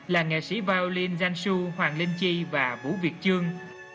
là nghệ sĩ violin giang xu hoàng linh chi và vũ việt trương